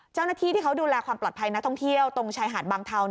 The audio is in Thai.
เจ้าหน้าที่ที่เขาดูแลความปลอดภัยนักท่องเที่ยวตรงชายหาดบางเทา